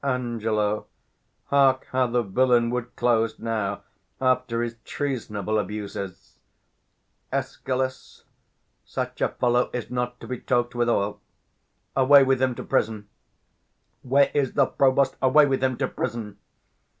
Ang. Hark, how the villain would close now, after his 340 treasonable abuses! Escal. Such a fellow is not to be talked withal. Away with him to prison! Where is the provost? Away with him to prison!